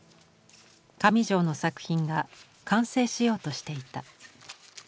上條の作品が完成しようとしていた。